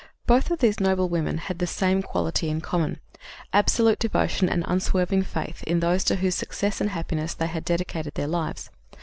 '" Both of these noble women had the same quality in common absolute devotion and unswerving faith in those to whose success and happiness they had dedicated their lives.